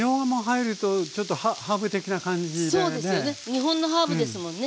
日本のハーブですもんね。